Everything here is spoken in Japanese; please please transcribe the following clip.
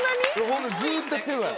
ホントずっとやってるから。